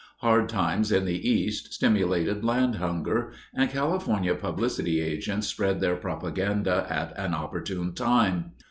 Hard times in the East stimulated land hunger, and California publicity agents spread their propaganda at an opportune time.